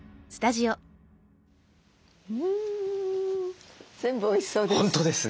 うん全部おいしそうです。